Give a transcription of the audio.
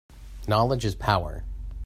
Knowledge is power.